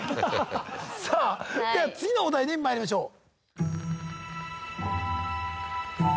さあでは次のお題に参りましょう。